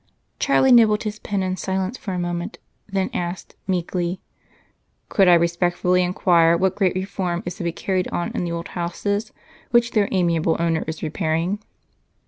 Charlie nibbled his pen in silence for a moment, then asked, meekly, "Could I respectfully inquire what great reform is to be carried on in the old houses which their amiable owner is repairing?"